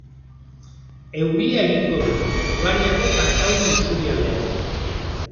Euria egingo du, ugariago kantauri isurialdean.